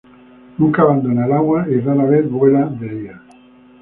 Nunca abandona el agua y rara vez vuela de día.